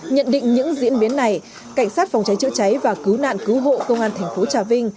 nhận định những diễn biến này cảnh sát phòng cháy chữa cháy và cứu nạn cứu hộ công an thành phố trà vinh